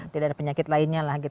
tidak ada penyakit lainnya lah